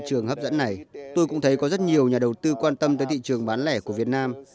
thị trường hấp dẫn này tôi cũng thấy có rất nhiều nhà đầu tư quan tâm tới thị trường bán lẻ của việt nam